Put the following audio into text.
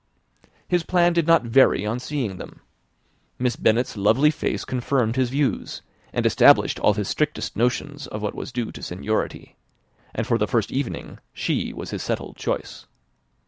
His plan did not vary on seeing them. Miss Bennet's lovely face confirmed his views, and established all his strictest notions of what was due to seniority; and for the first evening she was his settled choice.